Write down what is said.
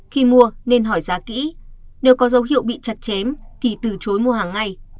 khi mua nên hỏi giá kỹ nếu có dấu hiệu bị chặt chém thì từ chối mua hàng ngay